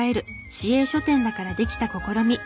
市営書店だからできた試み。